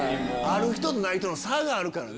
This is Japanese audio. ある人とない人の差があるから。